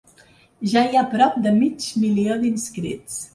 Ja hi ha prop de mig milió d’inscrits.